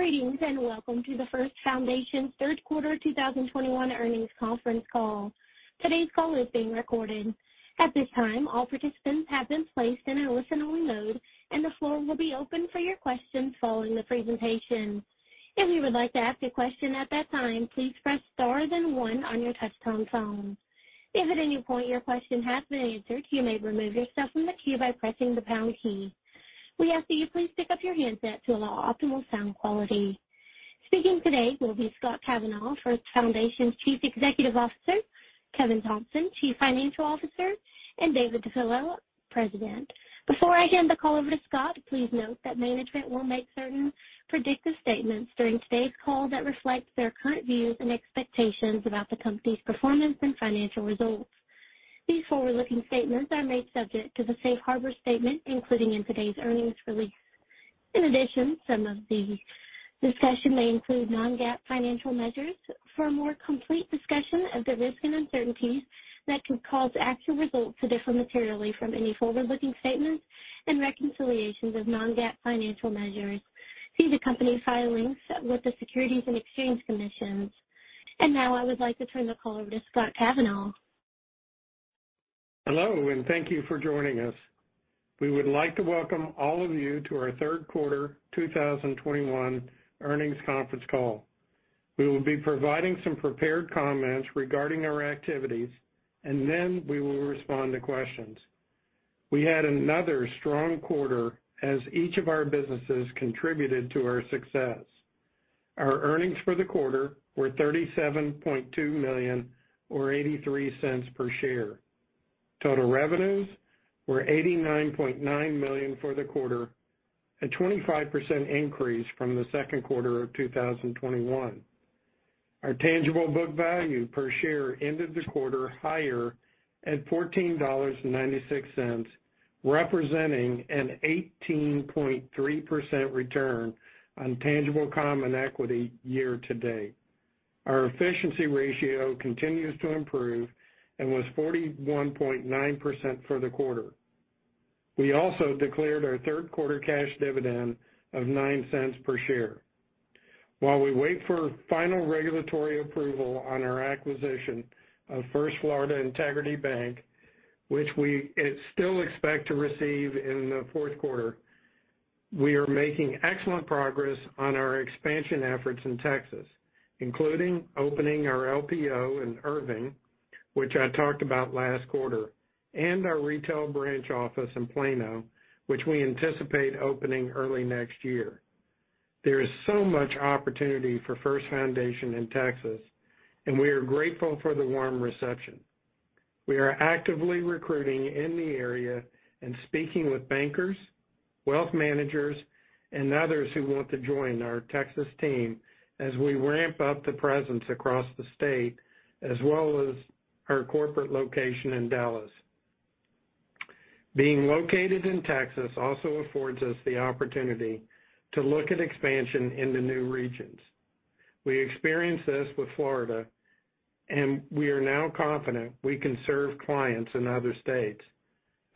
Greetings, and welcome to the First Foundation Third Quarter 2021 Earnings Conference Call. Today's call is being recorded. At this time, all participants have been placed in a listen-only mode, and the floor will be open for your questions following the presentation. If you would like to ask a question at that time, please press star then one on your touch-tone phone. If at any point your question has been answered, you may remove yourself from the queue by pressing the pound key. We ask that you please pick up your handset to allow optimal sound quality. Speaking today will be Scott Kavanaugh, First Foundation's Chief Executive Officer, Kevin Thompson, Chief Financial Officer, and David DePillo, President. Before I hand the call over to Scott, please note that management will make certain predictive statements during today's call that reflect their current views and expectations about the company's performance and financial results. These forward-looking statements are made subject to the safe harbor statement, including in today's earnings release. In addition, some of the discussion may include non-GAAP financial measures. For a more complete discussion of the risks and uncertainties that could cause actual results to differ materially from any forward-looking statements and reconciliations of non-GAAP financial measures, see the company's filings with the Securities and Exchange Commission. Now I would like to turn the call over to Scott Kavanaugh. Hello, and thank you for joining us. We would like to welcome all of you to our Third Quarter 2021 Earnings Conference Call. We will be providing some prepared comments regarding our activities, and then we will respond to questions. We had another strong quarter as each of our businesses contributed to our success. Our earnings for the quarter were $37.2 million or $0.83 per share. Total revenues were $89.9 million for the quarter, a 25% increase from the second quarter of 2021. Our tangible book value per share ended the quarter higher at $14.96, representing an 18.3% return on tangible common equity year to date. Our efficiency ratio continues to improve and was 41.9% for the quarter. We also declared our third quarter cash dividend of $0.09 per share. While we wait for final regulatory approval on our acquisition of First Florida Integrity Bank, which we still expect to receive in the fourth quarter, we are making excellent progress on our expansion efforts in Texas, including opening our LPO in Irving, which I talked about last quarter, and our retail branch office in Plano, which we anticipate opening early next year. There is so much opportunity for First Foundation in Texas, and we are grateful for the warm reception. We are actively recruiting in the area and speaking with bankers, wealth managers, and others who want to join our Texas team as we ramp up the presence across the state as well as our corporate location in Dallas. Being located in Texas also affords us the opportunity to look at expansion into new regions. We experienced this with Florida, and we are now confident we can serve clients in other states.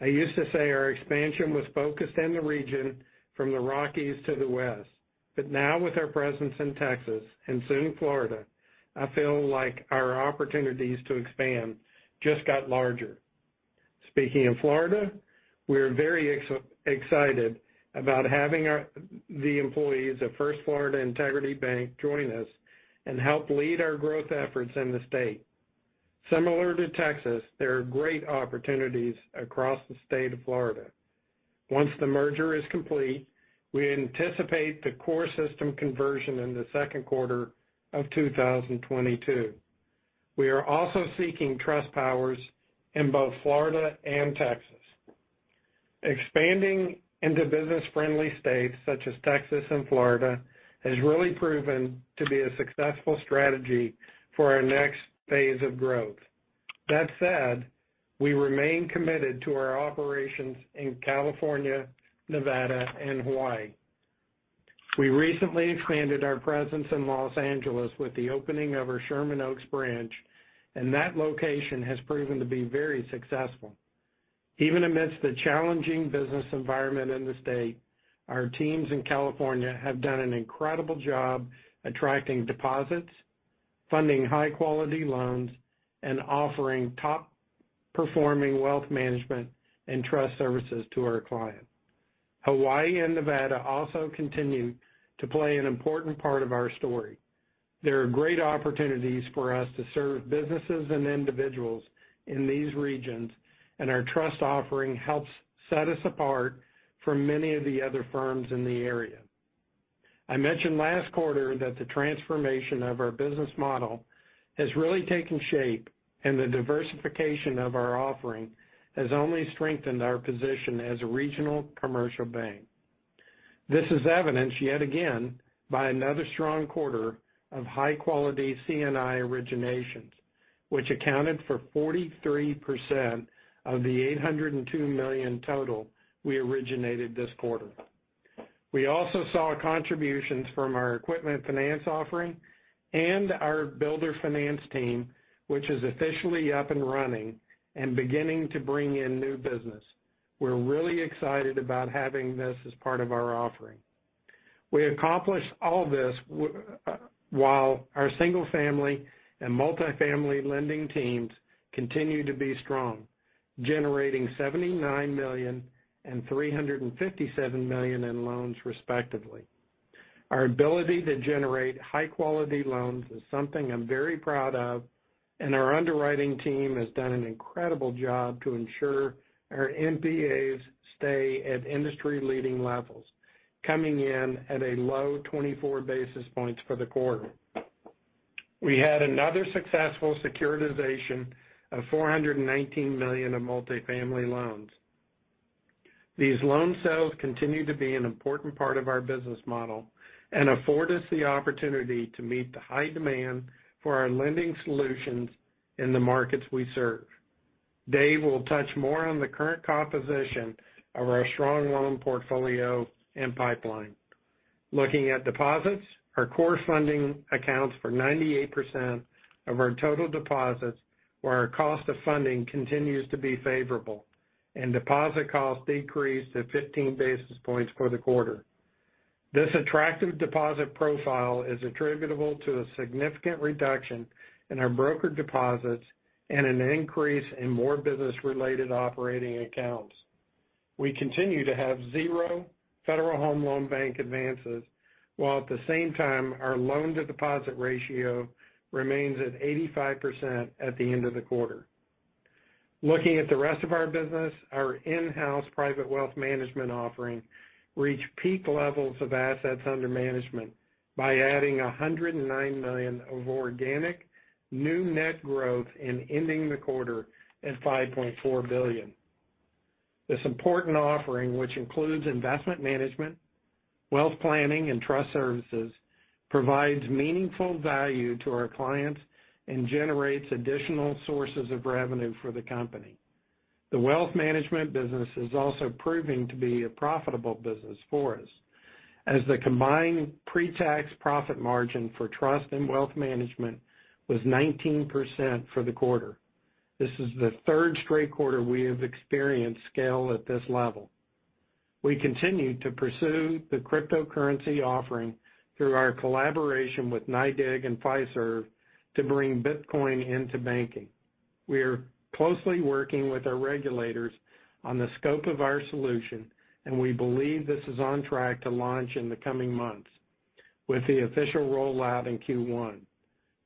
I used to say our expansion was focused in the region from the Rockies to the West, but now with our presence in Texas and soon Florida, I feel like our opportunities to expand just got larger. Speaking of Florida, we're very excited about having the employees of First Florida Integrity Bank join us and help lead our growth efforts in the state. Similar to Texas, there are great opportunities across the state of Florida. Once the merger is complete, we anticipate the core system conversion in the second quarter of 2022. We are also seeking trust powers in both Florida and Texas. Expanding into business-friendly states such as Texas and Florida has really proven to be a successful strategy for our next phase of growth. That said, we remain committed to our operations in California, Nevada, and Hawaii. We recently expanded our presence in Los Angeles with the opening of our Sherman Oaks Branch, and that location has proven to be very successful. Even amidst the challenging business environment in the state, our teams in California have done an incredible job attracting deposits, funding high-quality loans, and offering top-performing wealth management and trust services to our clients. Hawaii and Nevada also continue to play an important part of our story. There are great opportunities for us to serve businesses and individuals in these regions, and our trust offering helps set us apart from many of the other firms in the area. I mentioned last quarter that the transformation of our business model has really taken shape, and the diversification of our offering has only strengthened our position as a regional commercial bank. This is evidenced yet again by another strong quarter of high-quality C&I originations, which accounted for 43% of the $802 million total we originated this quarter. We also saw contributions from our equipment finance offering and our builder finance team, which is officially up and running and beginning to bring in new business. We're really excited about having this as part of our offering. We accomplished all this while our single family and multifamily lending teams continue to be strong, generating $79 million and $357 million in loans respectively. Our ability to generate high-quality loans is something I'm very proud of, and our underwriting team has done an incredible job to ensure our NPAs stay at industry-leading levels, coming in at a low 24 basis points for the quarter. We had another successful securitization of $419 million of multifamily loans. These loan sales continue to be an important part of our business model and afford us the opportunity to meet the high demand for our lending solutions in the markets we serve. Dave will touch more on the current composition of our strong loan portfolio and pipeline. Looking at deposits, our core funding accounts for 98% of our total deposits, where our cost of funding continues to be favorable, and deposit costs decreased to 15 basis points for the quarter. This attractive deposit profile is attributable to a significant reduction in our brokered deposits and an increase in more business-related operating accounts. We continue to have $0 Federal Home Loan Bank advances, while at the same time, our loan-to-deposit ratio remains at 85% at the end of the quarter. Looking at the rest of our business, our in-house private wealth management offering reached peak levels of assets under management by adding $109 million of organic new net growth and ending the quarter at $5.4 billion. This important offering, which includes investment management, wealth planning, and trust services, provides meaningful value to our clients and generates additional sources of revenue for the company. The wealth management business is also proving to be a profitable business for us, as the combined pretax profit margin for trust and wealth management was 19% for the quarter. This is the third straight quarter we have experienced scale at this level. We continue to pursue the cryptocurrency offering through our collaboration with NYDIG and Fiserv to bring Bitcoin into banking. We are closely working with our regulators on the scope of our solution, and we believe this is on track to launch in the coming months with the official rollout in Q1.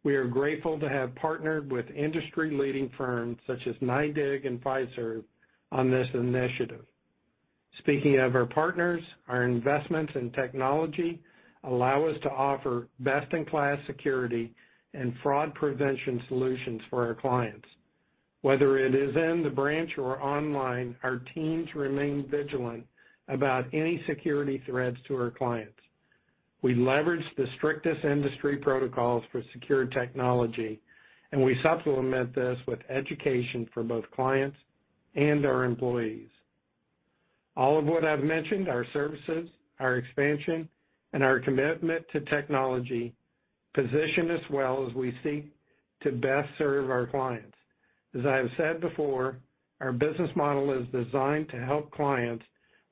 We are grateful to have partnered with industry-leading firms such as NYDIG and Fiserv on this initiative. Speaking of our partners, our investments in technology allow us to offer best-in-class security and fraud prevention solutions for our clients. Whether it is in the branch or online, our teams remain vigilant about any security threats to our clients. We leverage the strictest industry protocols for secure technology, and we supplement this with education for both clients and our employees. All of what I've mentioned, our services, our expansion, and our commitment to technology position us well as we seek to best serve our clients. As I have said before, our business model is designed to help clients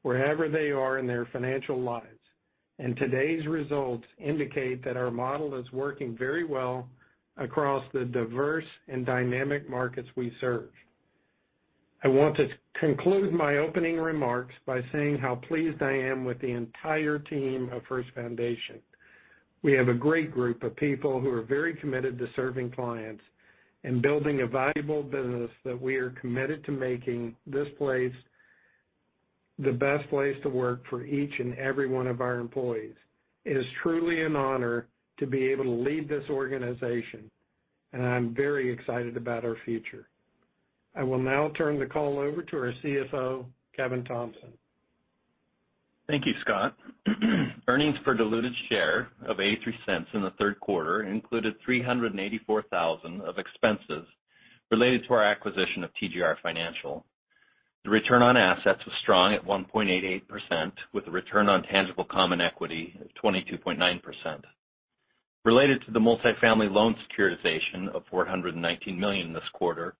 wherever they are in their financial lives, and today's results indicate that our model is working very well across the diverse and dynamic markets we serve. I want to conclude my opening remarks by saying how pleased I am with the entire team of First Foundation. We have a great group of people who are very committed to serving clients and building a valuable business that we are committed to making this place the best place to work for each and every one of our employees. It is truly an honor to be able to lead this organization, and I'm very excited about our future. I will now turn the call over to our CFO, Kevin Thompson. Thank you, Scott. Earnings per diluted share of $0.83 in the third quarter included $384,000 of expenses related to our acquisition of TGR Financial. The return on assets was strong at 1.88%, with a return on tangible common equity of 22.9%. Related to the multifamily loan securitization of $419 million this quarter,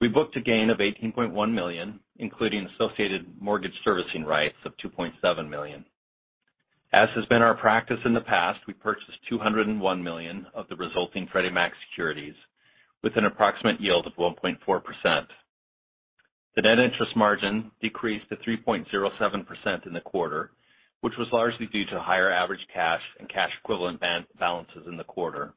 we booked a gain of $18.1 million, including associated mortgage servicing rights of $2.7 million. As has been our practice in the past, we purchased $201 million of the resulting Freddie Mac securities with an approximate yield of 1.4%. The net interest margin decreased to 3.07% in the quarter, which was largely due to higher average cash and cash-equivalent balances in the quarter.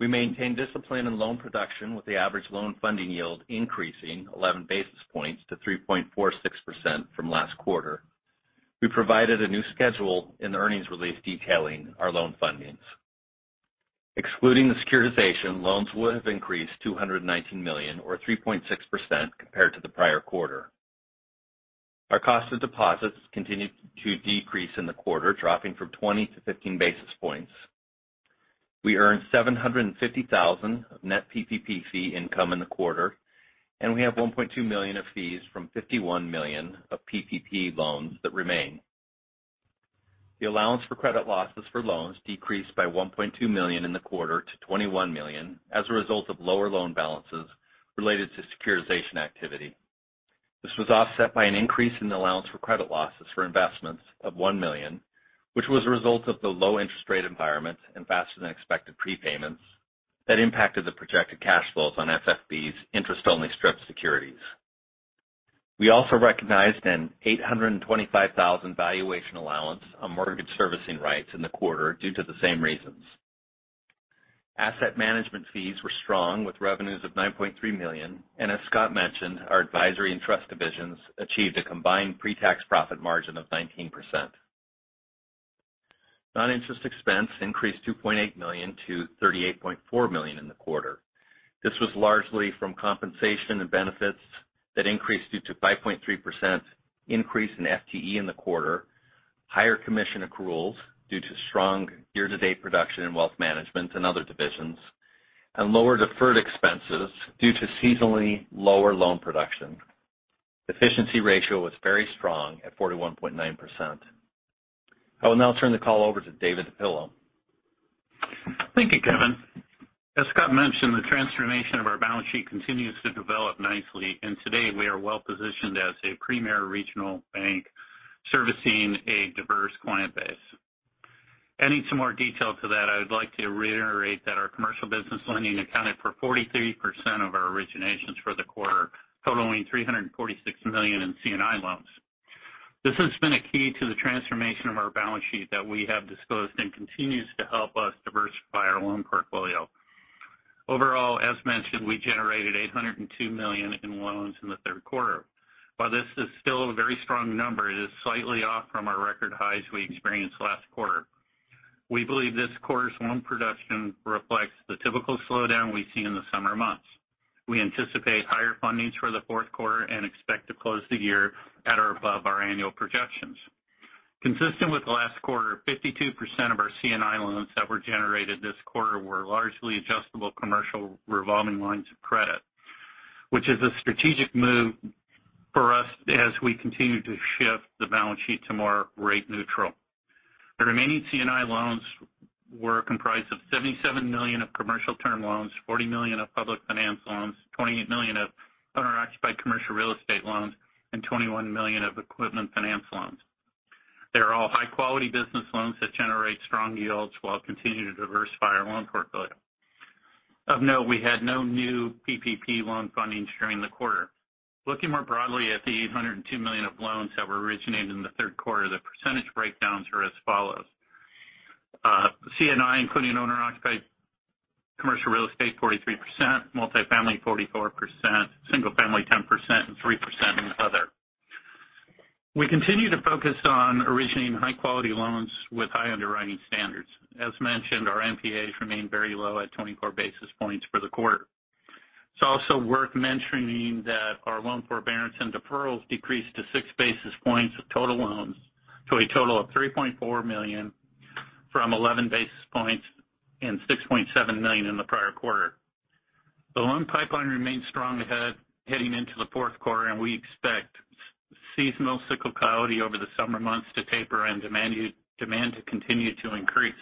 We maintained discipline in loan production, with the average loan funding yield increasing 11 basis points to 3.46% from last quarter. We provided a new schedule in the earnings release detailing our loan fundings. Excluding the securitization, loans would have increased $219 million or 3.6% compared to the prior quarter. Our cost of deposits continued to decrease in the quarter, dropping from 20 to 15 basis points. We earned $750,000 of net PPP fee income in the quarter, and we have $1.2 million of fees from $51 million of PPP loans that remain. The allowance for credit losses for loans decreased by $1.2 million in the quarter to $21 million as a result of lower loan balances related to securitization activity. This was offset by an increase in the allowance for credit losses for investments of $1 million, which was a result of the low interest rate environment and faster than expected prepayments that impacted the projected cash flows on FFB's interest-only strip securities. We also recognized an $825,000 valuation allowance on mortgage servicing rights in the quarter due to the same reasons. Asset management fees were strong, with revenues of $9.3 million. As Scott mentioned, our advisory and trust divisions achieved a combined pre-tax profit margin of 19%. Non-interest expense increased $2.8 million to $38.4 million in the quarter. This was largely from compensation and benefits that increased due to 5.3% increase in FTE in the quarter, higher commission accruals due to strong year-to-date production in wealth management and other divisions, and lower deferred expenses due to seasonally lower loan production. Efficiency ratio was very strong at 41.9%. I will now turn the call over to David DePillo. Thank you, Kevin. As Scott mentioned, the transformation of our balance sheet continues to develop nicely, and today we are well-positioned as a premier regional bank servicing a diverse client base. Adding some more detail to that, I would like to reiterate that our commercial business lending accounted for 43% of our originations for the quarter, totaling $346 million in C&I loans. This has been a key to the transformation of our balance sheet that we have disclosed and continues to help us diversify our loan portfolio. Overall, as mentioned, we generated $802 million in loans in the third quarter. While this is still a very strong number, it is slightly off from our record highs we experienced last quarter. We believe this quarter's loan production reflects the typical slowdown we see in the summer months. We anticipate higher fundings for the fourth quarter and expect to close the year at or above our annual projections. Consistent with last quarter, 52% of our C&I loans that were generated this quarter were largely adjustable commercial revolving lines of credit, which is a strategic move for us as we continue to shift the balance sheet to more rate neutral. The remaining C&I loans were comprised of $77 million of commercial term loans, $40 million of public finance loans, $28 million of owner-occupied commercial real estate loans, and $21 million of equipment finance loans. They're all high-quality business loans that generate strong yields while continuing to diversify our loan portfolio. Of note, we had no new PPP loan fundings during the quarter. Looking more broadly at the $802 million of loans that were originated in the third quarter, the percentage breakdowns are as follows: C&I, including owner-occupied commercial real estate, 43%, multifamily, 44%, single family, 10%, and 3% in other. We continue to focus on originating high-quality loans with high underwriting standards. As mentioned, our NPAs remain very low at 24 basis points for the quarter. It's also worth mentioning that our loan forbearance and deferrals decreased to 6 basis points of total loans to a total of $3.4 million from 11 basis points and $6.7 million in the prior quarter. The loan pipeline remains strong heading into the fourth quarter, and we expect seasonal cyclicality over the summer months to taper and demand to continue to increase.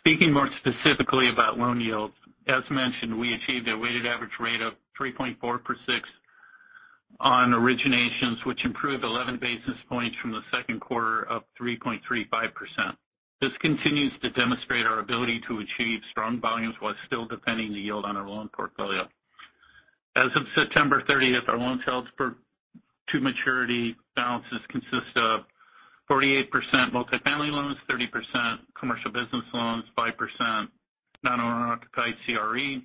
Speaking more specifically about loan yields, as mentioned, we achieved a weighted average rate of 3.46% on originations, which improved 11 basis points from the second quarter of 3.35%. This continues to demonstrate our ability to achieve strong volumes while still defending the yield on our loan portfolio. As of September 30th, our held-to-maturity balances consist of 48% multifamily loans, 30% commercial business loans, 5% non-owner-occupied CRE,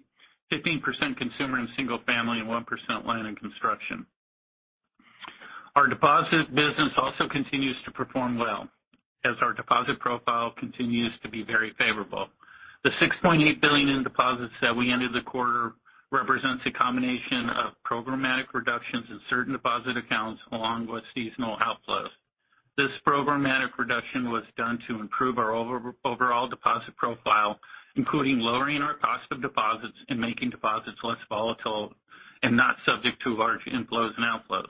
15% consumer and single family, and 1% land and construction. Our deposit business also continues to perform well as our deposit profile continues to be very favorable. The $6.8 billion in deposits that we ended the quarter represents a combination of programmatic reductions in certain deposit accounts along with seasonal outflows. This programmatic reduction was done to improve our overall deposit profile, including lowering our cost of deposits and making deposits less volatile and not subject to large inflows and outflows.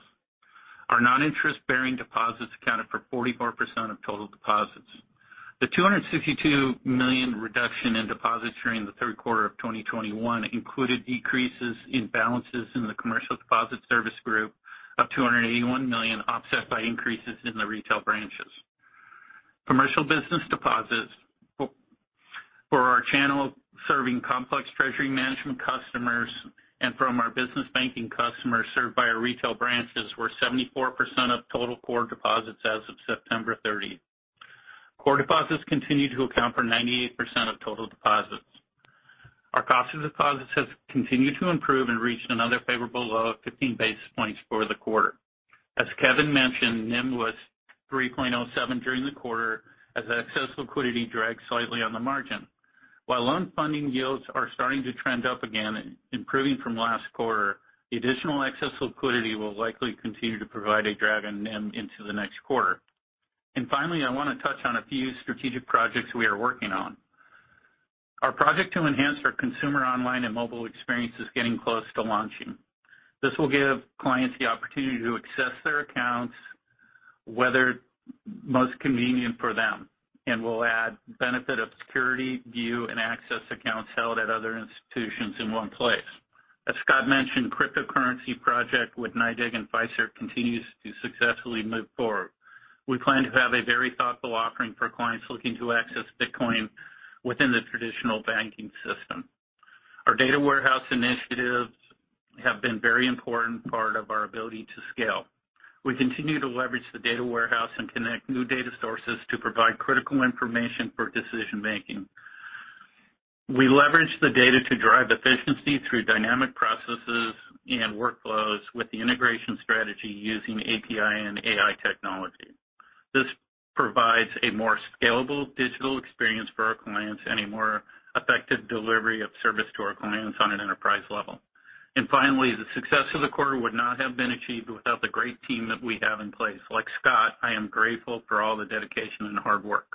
Our non-interest-bearing deposits accounted for 44% of total deposits. The $262 million reduction in deposits during the third quarter of 2021 included decreases in balances in the commercial deposit service group of $281 million, offset by increases in the retail branches. Commercial business deposits for our channel serving complex treasury management customers and from our business banking customers served by our retail branches were 74% of total core deposits as of September 30. Core deposits continued to account for 98% of total deposits. Our cost of deposits has continued to improve and reached another favorable low of 15 basis points for the quarter. As Kevin mentioned, NIM was 3.07% during the quarter as excess liquidity dragged slightly on the margin. While loan funding yields are starting to trend up again, improving from last quarter, the additional excess liquidity will likely continue to provide a drag on NIM into the next quarter. Finally, I wanna touch on a few strategic projects we are working on. Our project to enhance our consumer online and mobile experience is getting close to launching. This will give clients the opportunity to access their accounts, whether most convenient for them, and will add benefit of security, view, and access accounts held at other institutions in one place. As Scott mentioned, cryptocurrency project with NYDIG and Fiserv continues to successfully move forward. We plan to have a very thoughtful offering for clients looking to access Bitcoin within the traditional banking system. Our data warehouse initiatives have been very important part of our ability to scale. We continue to leverage the data warehouse and connect new data sources to provide critical information for decision-making. We leverage the data to drive efficiency through dynamic processes and workflows with the integration strategy using API and AI technology. This provides a more scalable digital experience for our clients and a more effective delivery of service to our clients on an enterprise level. Finally, the success of the quarter would not have been achieved without the great team that we have in place. Like Scott, I am grateful for all the dedication and hard work.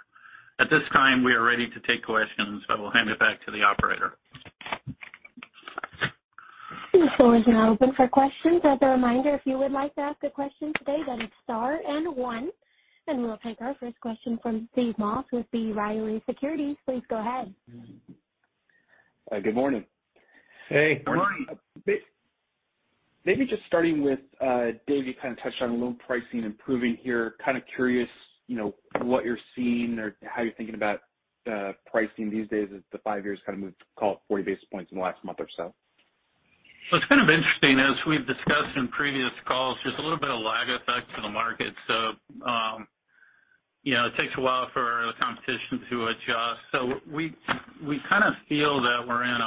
At this time, we are ready to take questions, so I will hand it back to the operator. The floor is now open for questions. As a reminder, if you would like to ask a question today, then it's star and one. We'll take our first question from Steve Moss with B. Riley Securities. Please go ahead. Good morning. Hey. Good morning. Maybe just starting with, David, you kind of touched on loan pricing improving here. Kind of curious, you know, what you're seeing or how you're thinking about pricing these days as the five-year kind of moved, call it 40 basis points in the last month or so. It's kind of interesting. As we've discussed in previous calls, there's a little bit of lag effect to the market. You know, it takes a while for the competition to adjust. We kind of feel that we're in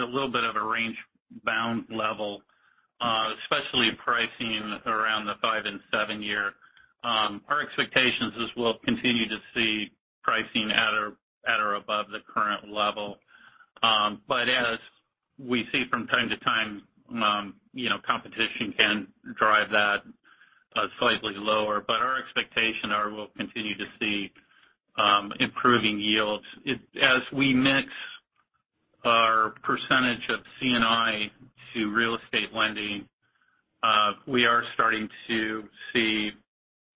a little bit of a range-bound level, especially pricing around the five and seven year. Our expectations is we'll continue to see pricing at or above the current level. As we see from time to time, you know, competition can drive that slightly lower. Our expectation are we'll continue to see improving yields. As we mix our percentage of C&I to real estate lending, we are starting to see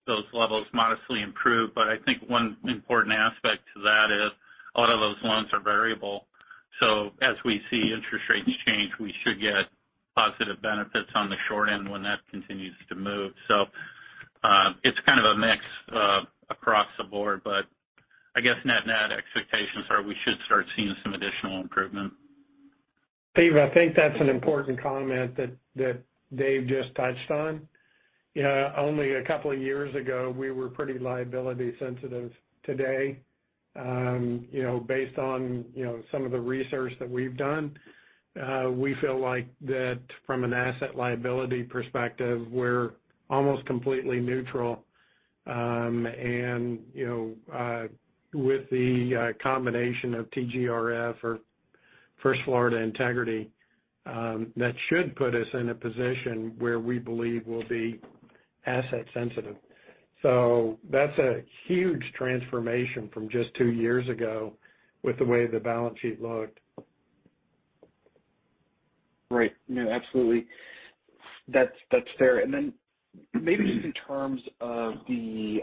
those levels modestly improve. I think one important aspect to that is a lot of those loans are variable. As we see interest rates change, we should get positive benefits on the short end when that continues to move. It's kind of a mix across the board, but I guess net-net expectations are we should start seeing some additional improvement. Steve, I think that's an important comment that Dave just touched on. You know, only a couple of years ago, we were pretty liability sensitive. Today, you know, based on some of the research that we've done, we feel like that from an asset liability perspective, we're almost completely neutral. And, you know, with the combination of TGRF or First Florida Integrity, that should put us in a position where we believe we'll be asset sensitive. That's a huge transformation from just two years ago with the way the balance sheet looked. Right. No, absolutely. That's fair. Maybe just in terms of the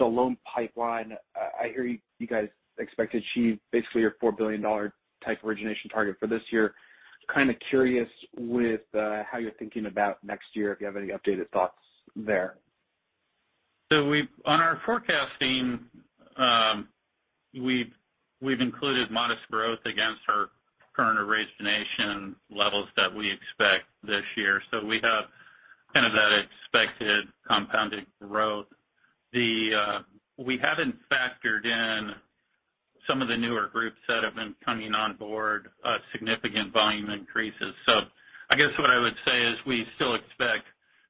loan pipeline, I hear you guys expect to achieve basically your $4 billion-type origination target for this year. Kind of curious with how you're thinking about next year, if you have any updated thoughts there. We've included modest growth against our current origination levels that we expect this year. We have kind of that expected compounded growth. We haven't factored in some of the newer groups that have been coming on board, significant volume increases. I guess what I would say is we still expect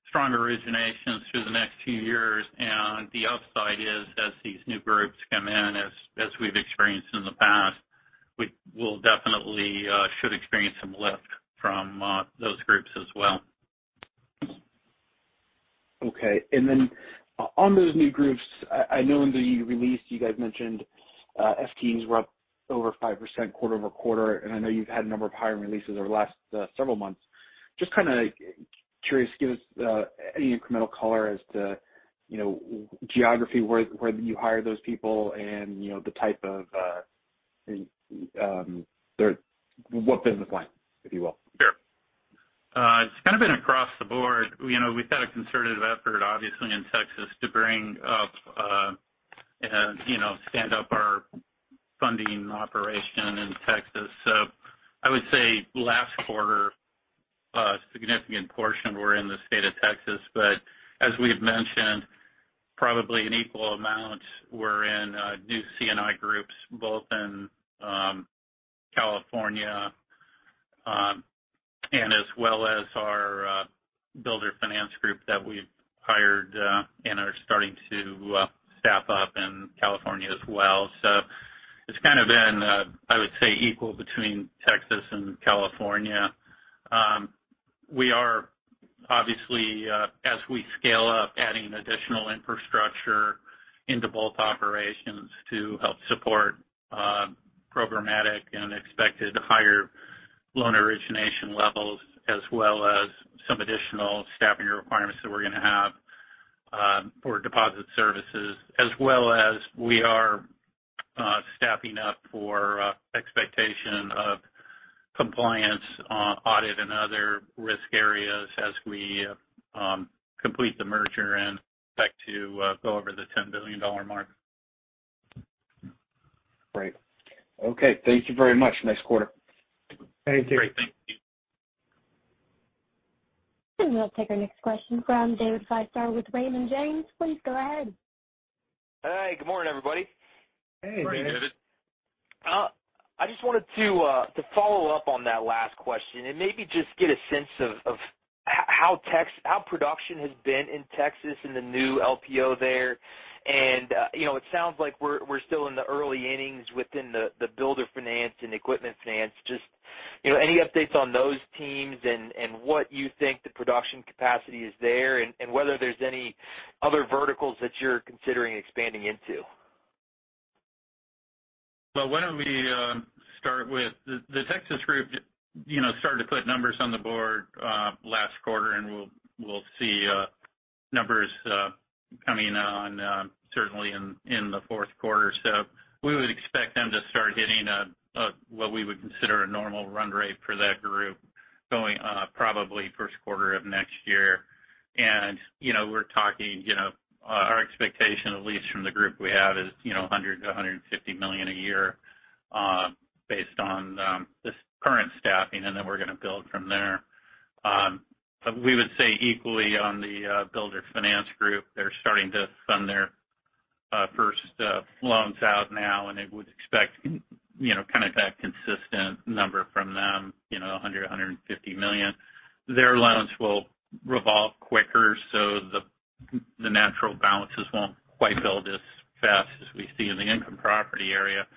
strong originations through the next few years. The upside is as these new groups come in, as we've experienced in the past, we will definitely should experience some lift from those groups as well. Okay. Then on those new groups, I know in the release you guys mentioned FTEs were up over 5% quarter-over-quarter, and I know you've had a number of hiring releases over the last several months. Just kind of curious, give us any incremental color as to, you know, geography, where you hire those people and, you know, the type of what business line, if you will. Sure. It's kind of been across the board. You know, we've had a concerted effort, obviously, in Texas to bring up, and, you know, stand up our funding operation in Texas. I would say last quarter, a significant portion were in the state of Texas. As we've mentioned, probably an equal amount were in, new C&I groups, both in, California, and as well as our, builder finance group that we've hired, and are starting to, staff up in California as well. It's kind of been, I would say equal between Texas and California. We are obviously, as we scale up, adding additional infrastructure into both operations to help support, programmatic and expected higher loan origination levels as well as some additional staffing requirements that we're gonna have, for deposit services. As well as we are staffing up for expectation of compliance, audit and other risk areas as we complete the merger and expect to go over the $10 billion mark. Great. Okay. Thank you very much. Nice quarter. Thank you. Great. Thank you. We'll take our next question from David Feaster with Raymond James. Please go ahead. Hey, good morning, everybody. Hey, David. Morning, David. I just wanted to follow up on that last question and maybe just get a sense of how production has been in Texas in the new LPO there. You know, it sounds like we're still in the early innings within the builder finance and equipment finance. Just, you know, any updates on those teams and what you think the production capacity is there and whether there's any other verticals that you're considering expanding into. Well, why don't we start with the Texas group, you know, started to put numbers on the board last quarter, and we'll see numbers coming on certainly in the fourth quarter. We would expect them to start hitting what we would consider a normal run rate for that group going probably first quarter of next year. You know, we're talking our expectation at least from the group we have is, you know, $100 million-$150 million a year based on this current staffing, and then we're gonna build from there. We would say equally on the builder finance group. They're starting to fund their first loans out now, and we'd expect, you know, kind of that consistent number from them, you know, $100 million-$150 million. Their loans will revolve quicker, so the natural balances won't quite build as fast as we see in the income property area.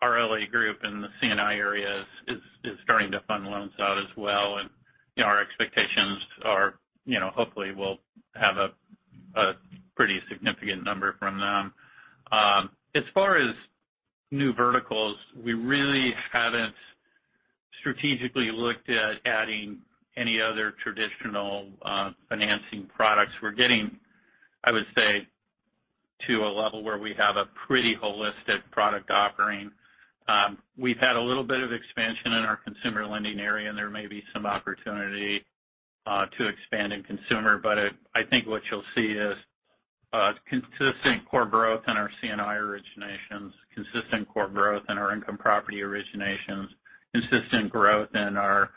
Our L.A. group in the C&I area is starting to fund loans out as well. You know, our expectations are, you know, hopefully we'll have a pretty significant number from them. As far as new verticals, we really haven't strategically looked at adding any other traditional financing products. We're getting, I would say, to a level where we have a pretty holistic product offering. We've had a little bit of expansion in our consumer lending area, and there may be some opportunity to expand in consumer, but I think what you'll see is consistent core growth in our C&I originations, consistent core growth in our income property originations, consistent growth in our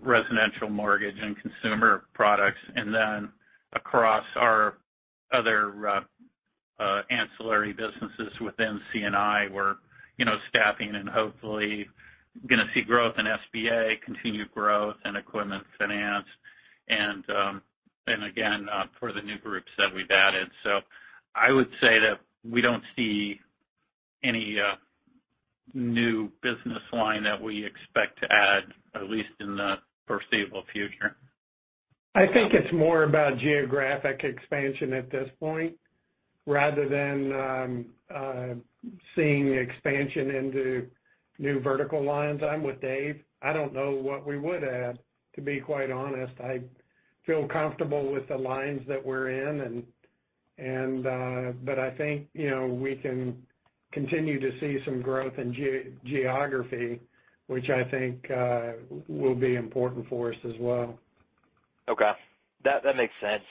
residential mortgage and consumer products. Across our other ancillary businesses within C&I, we're you know staffing and hopefully gonna see growth in SBA, continued growth in equipment finance, and again for the new groups that we've added. I would say that we don't see any new business line that we expect to add, at least in the foreseeable future. I think it's more about geographic expansion at this point rather than seeing expansion into new vertical lines. I'm with Dave. I don't know what we would add, to be quite honest. I feel comfortable with the lines that we're in and I think, you know, we can continue to see some growth in geography, which I think will be important for us as well. Okay. That makes sense.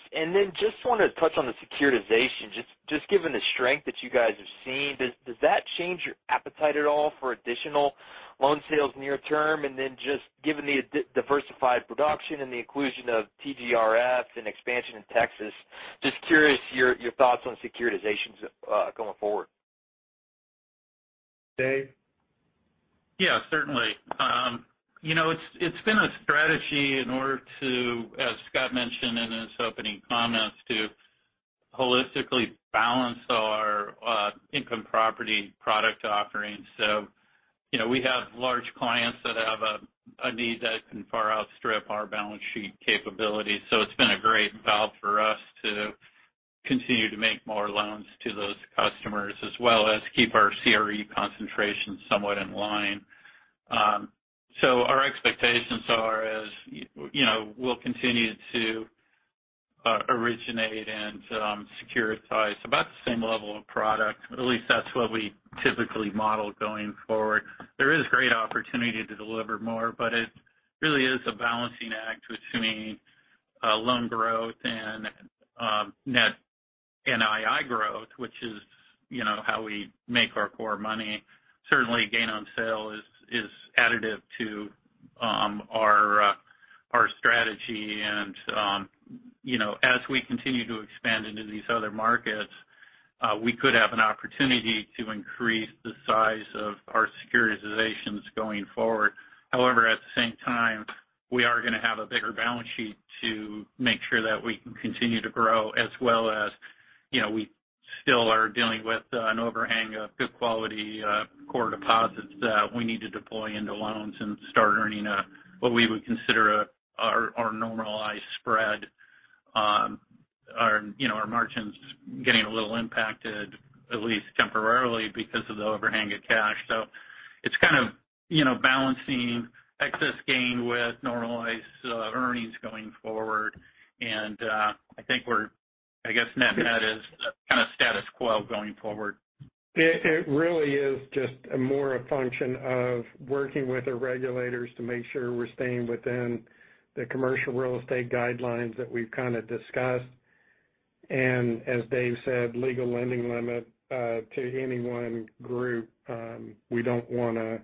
Just wanna touch on the securitization. Just given the strength that you guys have seen, does that change your appetite at all for additional loan sales near term? Just given the diversified production and the inclusion of TGRF and expansion in Texas, just curious your thoughts on securitizations going forward. Dave? Yeah, certainly. You know, it's been a strategy in order to, as Scott mentioned in his opening comments, to holistically balance our income property product offerings. You know, we have large clients that have a need that can far outstrip our balance sheet capabilities. It's been a great value for us to continue to make more loans to those customers as well as keep our CRE concentration somewhat in line. Our expectations are, you know, we'll continue to originate and securitize about the same level of product. At least that's what we typically model going forward. There is great opportunity to deliver more, but it really is a balancing act between loan growth and net NII growth, which is, you know, how we make our core money. Certainly gain on sale is additive to our strategy and, you know, as we continue to expand into these other markets, we could have an opportunity to increase the size of our securitizations going forward. However, at the same time, we are gonna have a bigger balance sheet to make sure that we can continue to grow as well as, you know, we still are dealing with an overhang of good quality core deposits that we need to deploy into loans and start earning what we would consider our normalized spread. Our, you know, our margins getting a little impacted at least temporarily because of the overhang of cash. It's kind of, you know, balancing excess gain with normalized earnings going forward. I think we're. I guess net-net is kind of status quo going forward. It really is just a function of working with the regulators to make sure we're staying within the commercial real estate guidelines that we've kind of discussed. As Dave said, legal lending limit to any one group, we don't wanna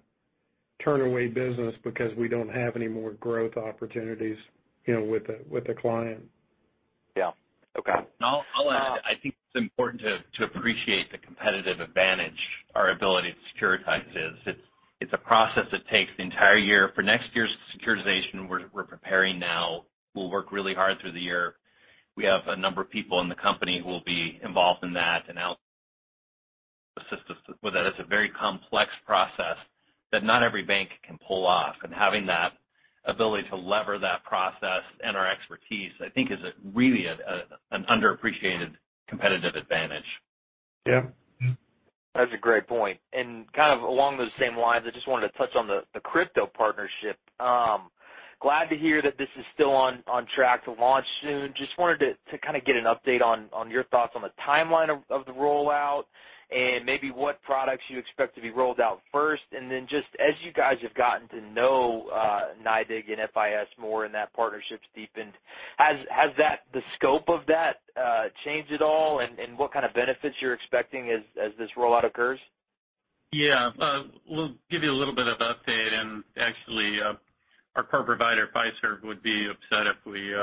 turn away business because we don't have any more growth opportunities, you know, with a client. Yeah. Okay. I'll add, I think it's important to appreciate the competitive advantage our ability to securitize is. It's a process that takes the entire year. For next year's securitization, we're preparing now. We'll work really hard through the year. We have a number of people in the company who will be involved in that and assist us with that. It's a very complex process that not every bank can pull off. Having that ability to leverage that process and our expertise, I think is really an underappreciated competitive advantage. Yeah. Mm-hmm. That's a great point. Kind of along those same lines, I just wanted to touch on the crypto partnership. Glad to hear that this is still on track to launch soon. Just wanted to kind of get an update on your thoughts on the timeline of the rollout and maybe what products you expect to be rolled out first. Then just as you guys have gotten to know NYDIG and FIS more and that partnership's deepened, has the scope of that changed at all? What kind of benefits you're expecting as this rollout occurs? Yeah. We'll give you a little bit of update. Actually, our core provider, Fiserv, would be upset if we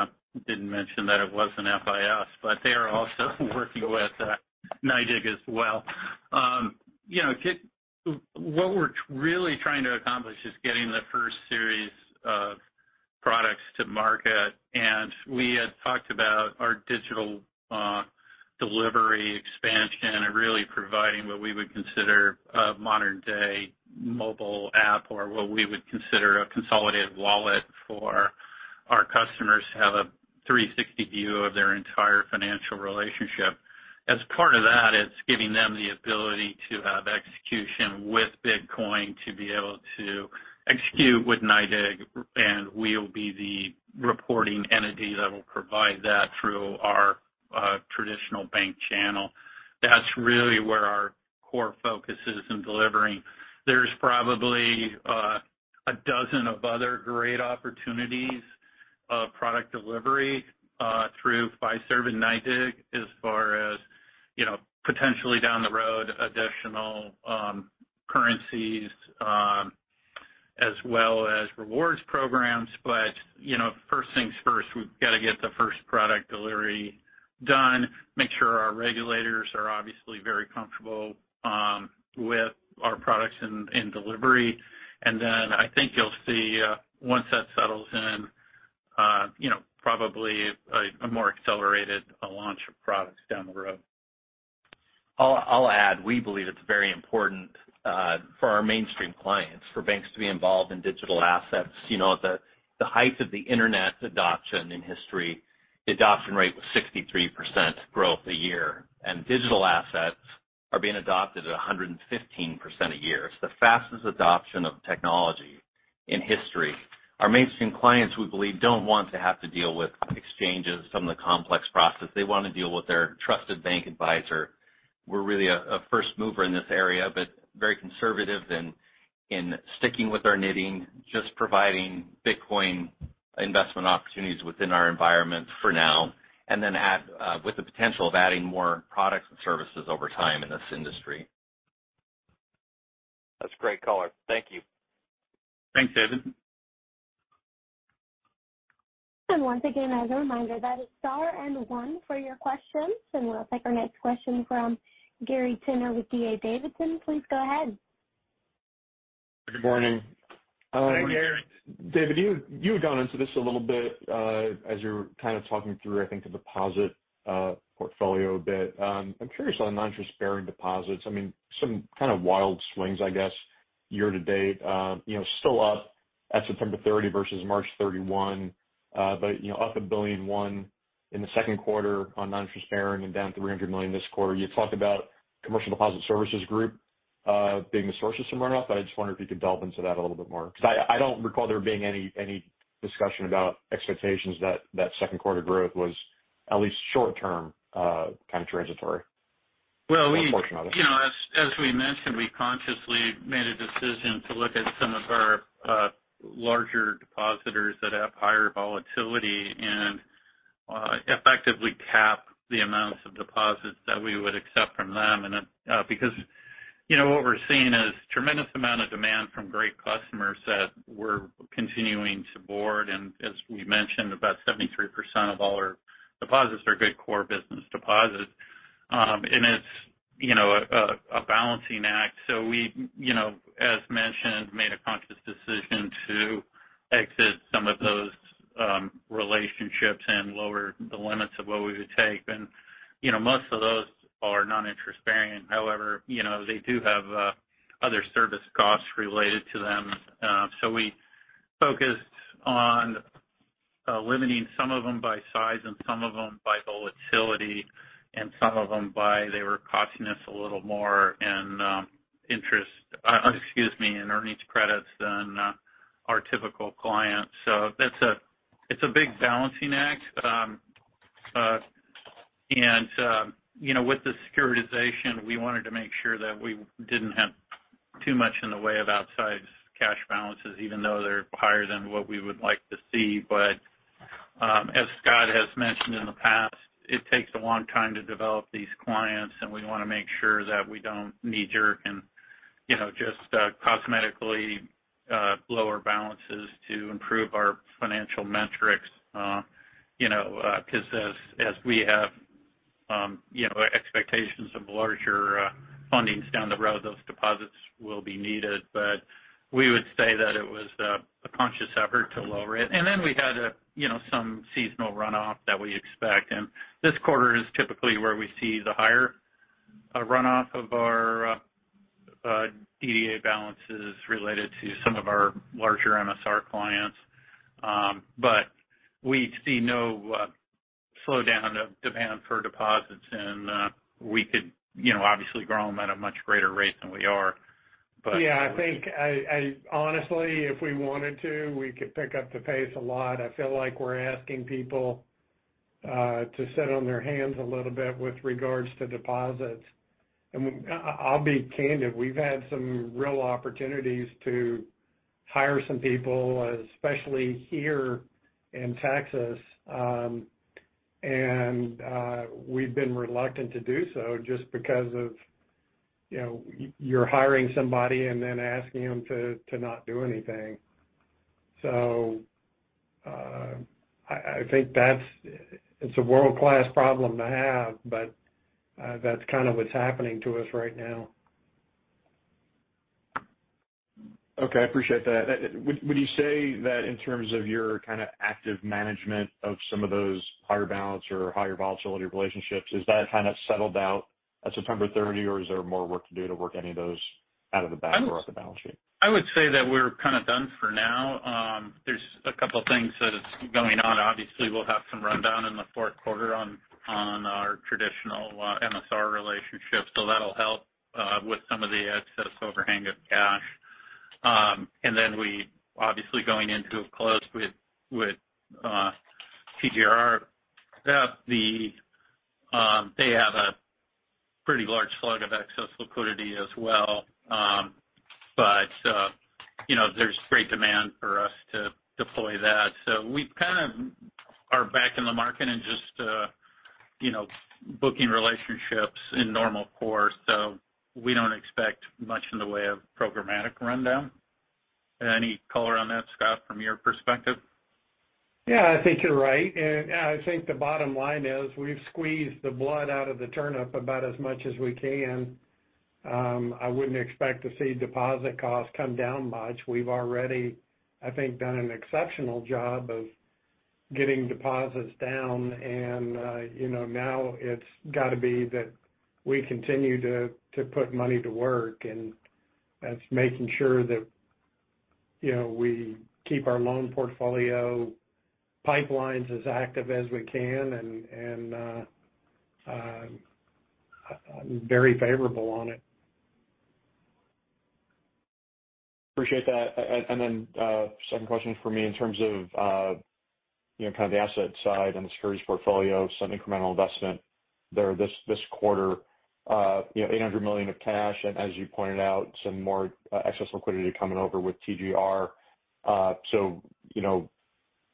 didn't mention that it wasn't FIS, but they are also working with NYDIG as well. You know, what we're really trying to accomplish is getting the first series of products to market. We had talked about our digital delivery expansion and really providing what we would consider a modern-day mobile app or what we would consider a consolidated wallet for our customers to have a 360 view of their entire financial relationship. As part of that, it's giving them the ability to have execution with Bitcoin to be able to execute with NYDIG, and we'll be the reporting entity that will provide that through our traditional bank channel. That's really where our core focus is in delivering. There's probably a dozen of other great opportunities of product delivery through Fiserv and NYDIG as far as, you know, potentially down the road, additional currencies as well as rewards programs. You know, first things first, we've got to get the first product delivery done, make sure our regulators are obviously very comfortable with our products and delivery. I think you'll see, you know, probably a more accelerated launch of products down the road. I'll add, we believe it's very important for our mainstream clients, for banks to be involved in digital assets. You know, the height of the internet adoption in history, the adoption rate was 63% growth a year, and digital assets are being adopted at 115% a year. It's the fastest adoption of technology in history. Our mainstream clients, we believe, don't want to have to deal with exchanges, some of the complex process. They wanna deal with their trusted bank advisor. We're really a first mover in this area, but very conservative in sticking with our knitting, just providing Bitcoin investment opportunities within our environment for now, and then with the potential of adding more products and services over time in this industry. That's a great color. Thank you. Thanks, David. Once again, as a reminder, that is star and one for your questions, and we'll take our next question from Gary Tenner with D.A. Davidson. Please go ahead. Good morning. Hey, Gary. David, you had gone into this a little bit, as you were kind of talking through, I think, the deposit portfolio a bit. I'm curious on non-interest bearing deposits. I mean, some kind of wild swings, I guess, year to date. You know, still up at September 30 versus March 31. You know, up $1.1 billion in the second quarter on non-interest bearing and down $300 million this quarter. You talked about commercial deposit services group being the source of some runoff, but I just wonder if you could delve into that a little bit more. Because I don't recall there being any discussion about expectations that second quarter growth was at least short term, kind of transitory. Well, we Portion of it. You know, as we mentioned, we consciously made a decision to look at some of our larger depositors that have higher volatility and effectively cap the amounts of deposits that we would accept from them. Because, you know, what we're seeing is tremendous amount of demand from great customers that we're continuing to board. As we mentioned, about 73% of all our deposits are good core business deposits. It's, you know, a balancing act. We, you know, as mentioned, made a conscious decision to exit some of those relationships and lower the limits of what we would take. You know, most of those are non-interest-bearing. However, you know, they do have other service costs related to them. We focused on limiting some of them by size and some of them by volatility, and some of them by they were costing us a little more in earnings credits than our typical clients. That's a big balancing act. You know, with the securitization, we wanted to make sure that we didn't have too much in the way of outside cash balances, even though they're higher than what we would like to see. As Scott has mentioned in the past, it takes a long time to develop these clients, and we wanna make sure that we don't knee-jerk and, you know, just cosmetically lower balances to improve our financial metrics, you know, 'cause as we have, you know, expectations of larger fundings down the road, those deposits will be needed. We would say that it was a conscious effort to lower it. Then we had, you know, some seasonal runoff that we expect, and this quarter is typically where we see the higher runoff of our DDA balances related to some of our larger MSR clients. We see no slowdown of demand for deposits and we could, you know, obviously grow them at a much greater rate than we are. Yeah, I think honestly, if we wanted to, we could pick up the pace a lot. I feel like we're asking people to sit on their hands a little bit with regards to deposits. I’ll be candid, we’ve had some real opportunities to hire some people, especially here in Texas. We’ve been reluctant to do so just because of, you know, you’re hiring somebody and then asking them to not do anything. I think it’s a world-class problem to have, but that’s kind of what’s happening to us right now. Okay. I appreciate that. Would you say that in terms of your kind of active management of some of those higher balance or higher volatility relationships, is that kind of settled out at September 30, or is there more work to do to work any of those out of the bank or off the balance sheet? I would say that we're kind of done for now. There's a couple things that is going on. Obviously, we'll have some rundown in the fourth quarter on our traditional MSR relationship, so that'll help with some of the excess overhang of cash. We obviously going into a close with TGR, they have a pretty large slug of excess liquidity as well. You know, there's great demand for us to deploy that. We kind of are back in the market and just you know, booking relationships in normal course. We don't expect much in the way of programmatic rundown. Any color on that, Scott, from your perspective? Yeah, I think you're right. I think the bottom line is we've squeezed the blood out of the turnip about as much as we can. I wouldn't expect to see deposit costs come down much. We've already, I think, done an exceptional job of getting deposits down and, you know, now it's got to be that we continue to put money to work, and that's making sure that, you know, we keep our loan portfolio pipelines as active as we can and very favorable on it. Appreciate that. Then, second question for me in terms of, you know, kind of the asset side and the securities portfolio, some incremental investment there this quarter. You know, $800 million of cash and as you pointed out, some more excess liquidity coming over with TGR. You know,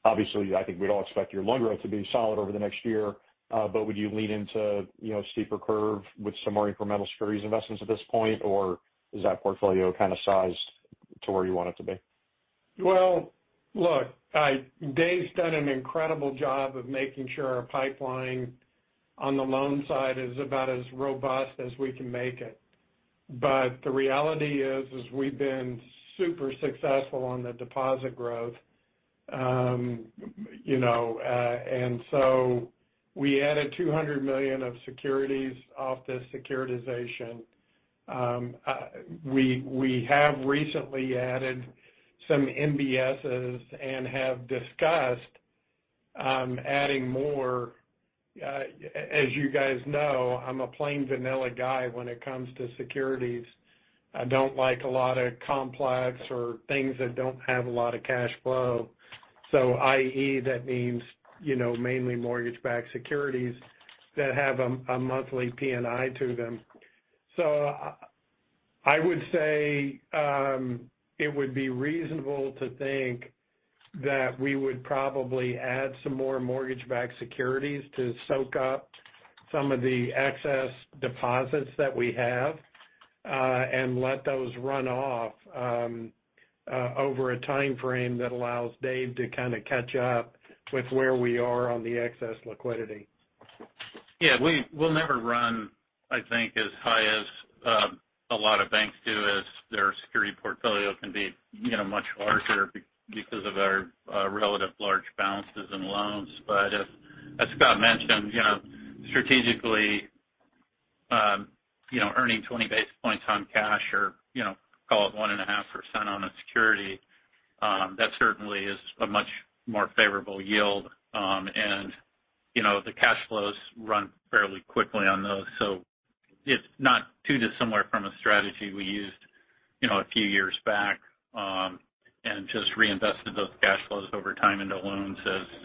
obviously, I think we'd all expect your loan growth to be solid over the next year. Would you lean into, you know, steeper curve with some more incremental securities investments at this point? Or is that portfolio kind of sized to where you want it to be? Well, look, Dave's done an incredible job of making sure our pipeline on the loan side is about as robust as we can make it. The reality is we've been super successful on the deposit growth. You know, and so we added $200 million of securities off this securitization. We have recently added some MBSs and have discussed adding more. As you guys know, I'm a plain vanilla guy when it comes to securities. I don't like a lot of complex or things that don't have a lot of cash flow. i.e., that means, you know, mainly mortgage-backed securities that have a monthly P&I to them. I would say, it would be reasonable to think that we would probably add some more Mortgage-Backed Securities to soak up some of the excess deposits that we have, and let those run off, over a time frame that allows Dave to kind of catch up with where we are on the excess liquidity. Yeah, we'll never run, I think, as high as a lot of banks do as their securities portfolio can be, you know, much larger because of our relatively large balances in loans. As Scott mentioned, you know, strategically, you know, earning 20 basis points on cash or, you know, call it 1.5% on a security, that certainly is a much more favorable yield. You know, the cash flows run fairly quickly on those. It's not too dissimilar from a strategy we used, you know, a few years back, and just reinvested those cash flows over time into loans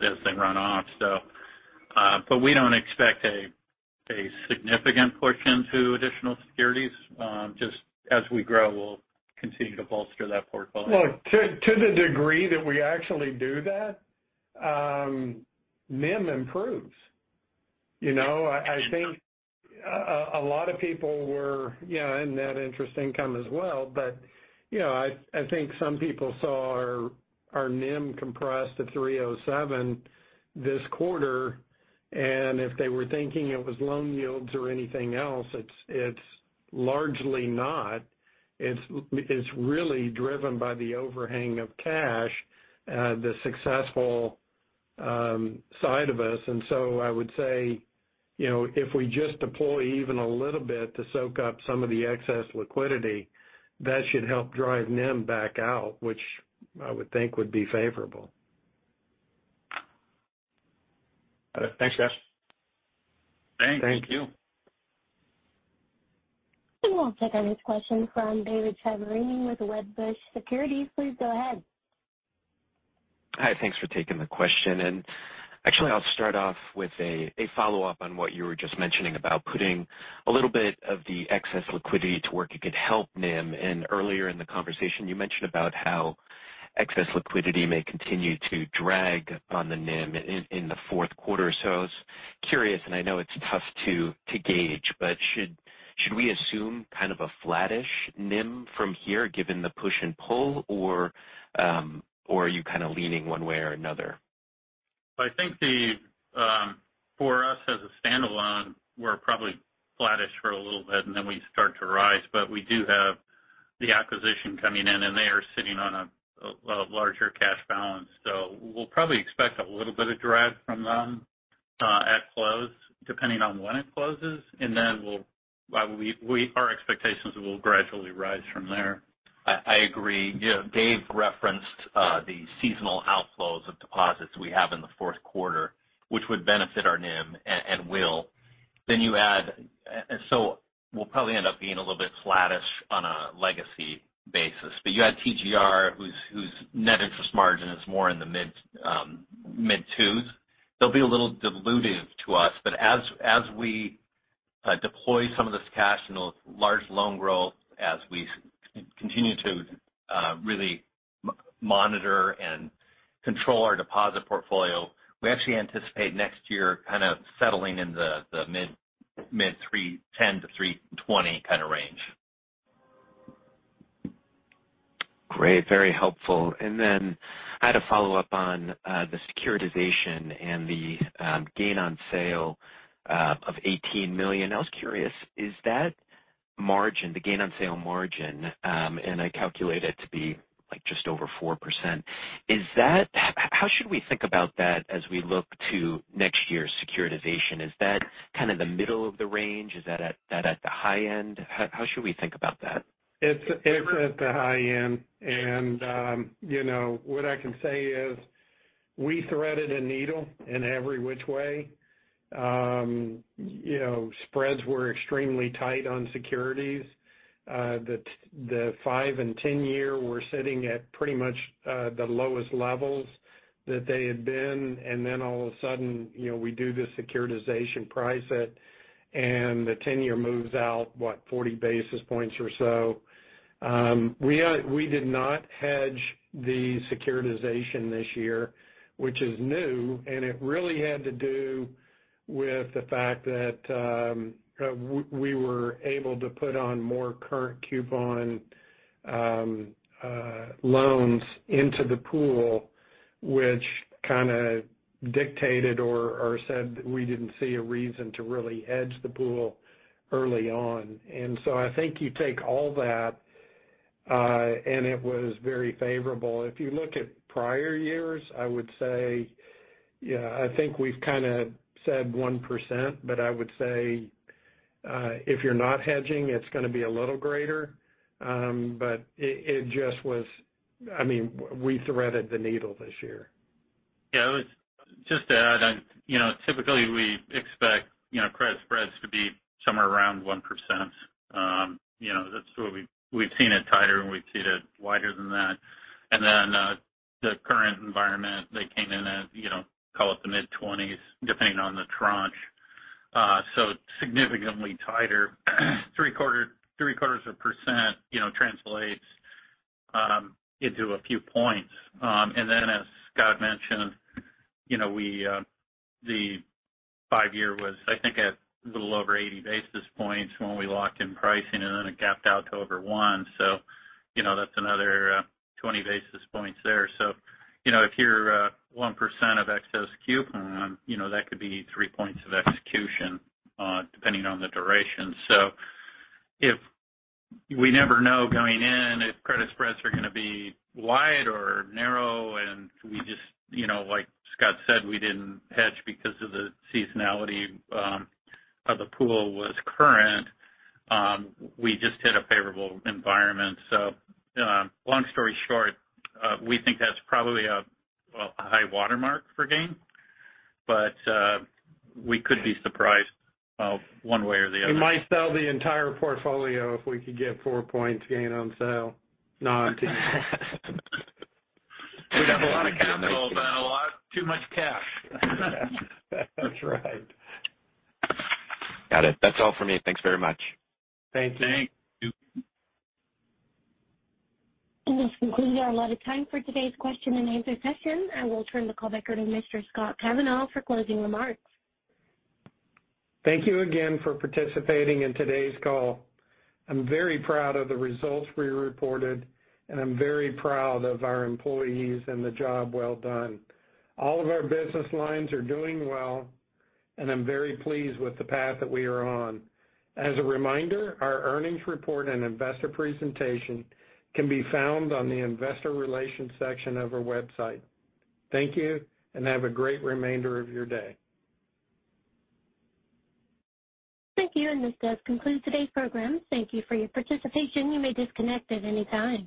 as they run off. We don't expect a significant push into additional securities. Just as we grow, we'll continue to bolster that portfolio. Well, to the degree that we actually do that, NIM improves. You know, I think a lot of people were and net interest income as well. You know, I think some people saw our NIM compressed to 3.07% this quarter, and if they were thinking it was loan yields or anything else, it's largely not. It's really driven by the overhang of cash, the successful side of us. I would say, you know, if we just deploy even a little bit to soak up some of the excess liquidity, that should help drive NIM back out, which I would think would be favorable. All right. Thanks, guys. Thanks. Thank you. We will take our next question from David Chiaverini with Wedbush Securities. Please go ahead. Hi. Thanks for taking the question. Actually, I'll start off with a follow-up on what you were just mentioning about putting a little bit of the excess liquidity to work, it could help NIM. Earlier in the conversation, you mentioned about how excess liquidity may continue to drag on the NIM in the fourth quarter. I was curious, and I know it's tough to gauge, but should we assume kind of a flattish NIM from here given the push and pull? Or are you kind of leaning one way or another? I think for us as a standalone, we're probably flattish for a little bit, and then we start to rise. We do have the acquisition coming in, and they are sitting on a larger cash balance. We'll probably expect a little bit of drag from them at close, depending on when it closes. Our expectations will gradually rise from there. I agree. You know, Dave referenced the seasonal outflows of deposits we have in the fourth quarter, which would benefit our NIM and will. We'll probably end up being a little bit flattish on a legacy basis. You add TGR, whose net interest margin is more in the mid-2s. They'll be a little dilutive to us. As we deploy some of this cash in those large loan growth, as we continue to really monitor and control our deposit portfolio, we actually anticipate next year kind of settling in the mid-3.10%-3.20% kind of range. Great. Very helpful. I had a follow-up on the securitization and the gain on sale of $18 million. I was curious, is that margin, the gain on sale margin, and I calculate it to be like just over 4%. How should we think about that as we look to next year's securitization? Is that kind of the middle of the range? Is that at the high end? How should we think about that? It's at the high end. You know, what I can say is we threaded a needle in every which way. You know, spreads were extremely tight on securities. The five and 10-year were sitting at pretty much the lowest levels that they had been. Then all of a sudden, you know, we do this securitization price set and the 10-year moves out, what, 40 basis points or so. We did not hedge the securitization this year, which is new, and it really had to do with the fact that we were able to put on more current coupon loans into the pool, which kind of dictated or said we didn't see a reason to really hedge the pool early on. I think you take all that, and it was very favorable. If you look at prior years, I would say, yeah, I think we've kind of said 1%, but I would say, if you're not hedging, it's gonna be a little greater. But it just was, I mean, we threaded the needle this year. Yeah. Just to add on. You know, typically we expect, you know, credit spreads to be somewhere around 1%. You know, that's where we've seen it tighter and we've seen it wider than that. The current environment, they came in at, you know, call it the mid-20s, depending on the tranche. So significantly tighter. 0.75% translates into a few points. As Scott mentioned, you know, the five-year was, I think, at a little over 80 basis points when we locked in pricing, and then it gapped out to over 1%. That's another 20 basis points there. If you're 1% of excess coupon, that could be 3 points of execution, depending on the duration. If we never know going in if credit spreads are gonna be wide or narrow and we just, you know, like Scott said, we didn't hedge because of the seasonality of the pool was current, we just hit a favorable environment. Long story short, we think that's probably a, well, a high watermark for gain, but we could be surprised one way or the other. We might sell the entire portfolio if we could get 4 points gain on sale. No, I'm teasing. We'd have a lot of cash. Sell that a lot. Too much cash. That's right. Got it. That's all for me. Thanks very much. Thank you. Thanks. This concludes our allotted time for today's question and answer session. I will turn the call back over to Mr. Scott Kavanaugh for closing remarks. Thank you again for participating in today's call. I'm very proud of the results we reported, and I'm very proud of our employees and the job well done. All of our business lines are doing well, and I'm very pleased with the path that we are on. As a reminder, our earnings report and investor presentation can be found on the investor relations section of our website. Thank you, and have a great remainder of your day. Thank you. This does conclude today's program. Thank you for your participation. You may disconnect at any time.